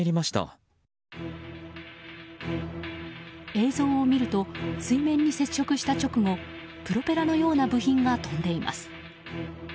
映像を見ると水面に接触した直後プロペラのような部品が飛んでいます。